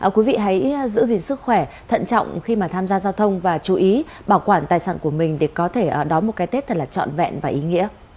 quý vị hãy giữ gìn sức khỏe thận trọng khi mà tham gia giao thông và chú ý bảo quản tài sản của mình để có thể đón một cái tết thật là trọn vẹn và ý nghĩa